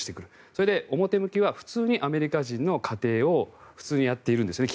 それで、表向きは普通にアメリカ人の家庭を普通にやっているんですよね。